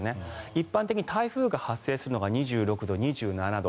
一般的に台風が発生するのが２６度、２７度。